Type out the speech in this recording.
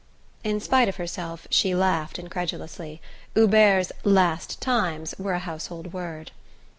In spite of herself she laughed incredulously: Hubert's "last times" were a household word.